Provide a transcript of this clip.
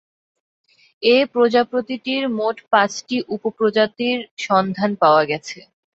এ প্রজাতিটির মোট পাঁচটি উপপ্রজাতির সন্ধান পাওয়া গেছে।